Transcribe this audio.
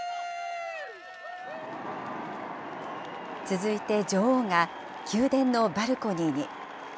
続いて、女王が宮殿のバルコニーに。